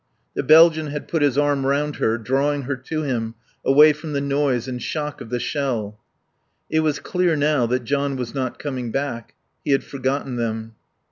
The Belgian had put his arm round her, drawing her to him, away from the noise and shock of the shell. It was clear now that John was not coming back. He had forgotten them.